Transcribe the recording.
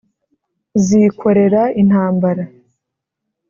Zikorera intambara